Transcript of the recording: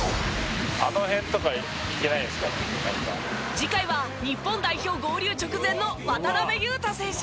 次回は日本代表合流直前の渡邊雄太選手。